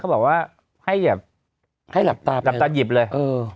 เขาบอกว่าให้หลับตาหยิบเลย